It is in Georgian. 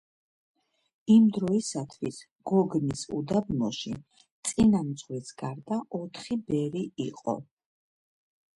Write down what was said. იმ დროისათვის გოგნის უდაბნოში, წინამძღვრის გარდა, ოთხი ბერი იყო.